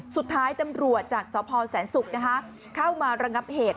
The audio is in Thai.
สุดท้ายตำรวจจากสพแสนศุกร์เข้ามาระงับเหตุ